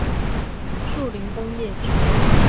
樹林工業區